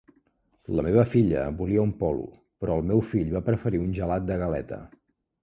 La meva filla volia un polo, però el meu fill va preferir un gelat de galeta